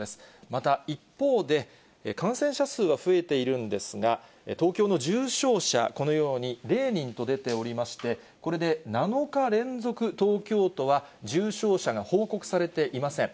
また一方で、感染者数は増えているんですが、東京の重症者、このように０人と出ておりまして、これで７日連続、東京都は重症者が報告されていません。